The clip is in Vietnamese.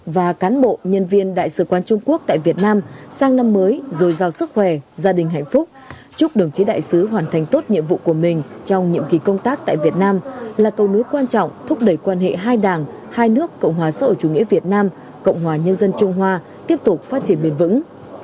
và cán bộ nhân viên đại sứ quán trung quốc tại việt nam sang năm mới rồi giàu sức khỏe gia đình hạnh phúc chúc đồng chí đại sứ hoàn thành tốt nhiệm vụ của mình trong nhiệm kỳ công tác tại việt nam là câu nối quan trọng thúc đẩy quan hệ hai đảng hai nước cộng hòa xã hội chủ nghĩa việt nam cộng hòa nhân dân trung hoa tiếp tục phát triển bền vững